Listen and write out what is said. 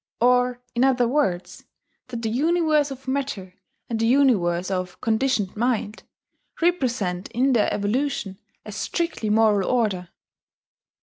(Or, in other words, that the universe of Matter, and the universe of [conditioned] Mind, represent in their evolution a strictly moral order.)